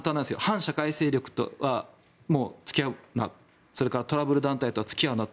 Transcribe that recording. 反社会勢力とは、もう付き合うなそれからトラブル団体とは付き合うな。